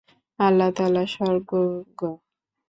আল্লাহ তাআলাই সর্বজ্ঞ।